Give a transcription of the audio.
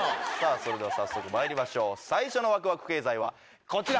それでは早速まいりましょう最初のワクワク経済はこちら。